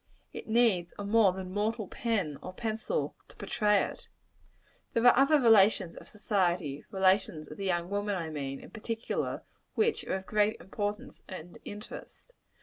It needs a more than mortal pen or pencil to portray it. There are other relations of society relations of the young woman, I mean, in particular which are of great importance and interest.